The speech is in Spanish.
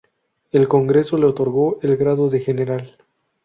El Congreso le otorgó el grado de General.